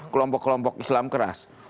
kelompok kelompok islam keras